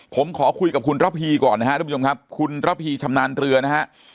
ผมขอคุยกับคุณระพีก่อนนะครับคุณระพีชำนาญเรือนะฮะ